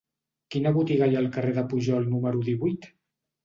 Quina botiga hi ha al carrer de Pujol número divuit?